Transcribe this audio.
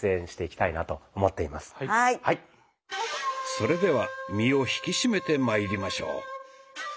それでは身を引き締めてまいりましょう。